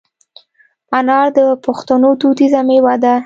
انار د پښتنو دودیزه مېوه ده.